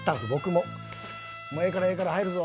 「もうええからええから入るぞ」